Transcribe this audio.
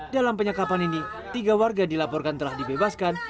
dalam penyekapan ini tiga warga dilaporkan telah dibebaskan